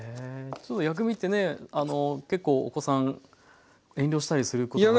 ちょっと薬味ってね結構お子さん遠慮したりすることありますけど。